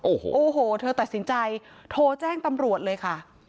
โอ้โหเธอตัดสินใจโทรแจ้งตำรวจเลยค่ะ